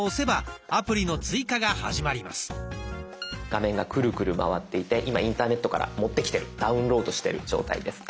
画面がクルクル回っていて今インターネットから持ってきてるダウンロードしてる状態です。